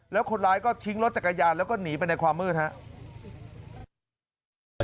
แล้วคนร้ายก็ทิ้งรถจักรยานแล้วก็หนีไปในความมืดครับ